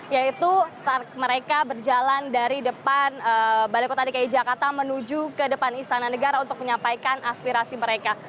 yaitu mereka berjalan dari depan balai kota dki jakarta menuju ke depan istana negara untuk menyampaikan aspirasi mereka